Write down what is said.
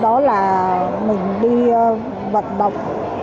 đó là mình đi vận động